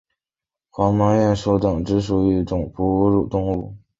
黄毛鼹属等之数种哺乳动物。